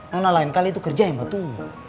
lain lain kali itu kerja yang betul